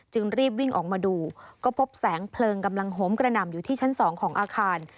รีบวิ่งออกมาดูก็พบแสงเพลิงกำลังโหมกระหน่ำอยู่ที่ชั้น๒ของอาคาร